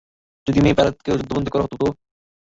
যদি মেয়ে পাইলটকেও যুদ্ধবন্দী করা হত তো?